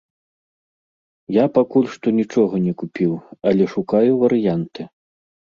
Я пакуль што нічога не купіў, але шукаю варыянты.